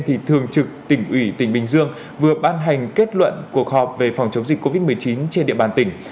thì thường trực tỉnh ủy tỉnh bình dương vừa ban hành kết luận cuộc họp về phòng chống dịch covid một mươi chín trên địa bàn tỉnh